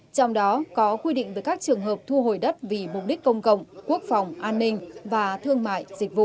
trong đó có quy định về các trường hợp thu hồi đất vì mục đích công cộng quốc phòng an ninh và thương mại dịch vụ